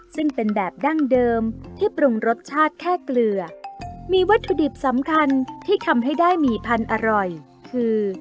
ซึ่งเป็นแบบดั้งเดิมที่ปรุงรสชาติแค่เกลือมีวัตถุดิบสำคัญที่ทำให้ได้หมี่พันธุ์อร่อยคือ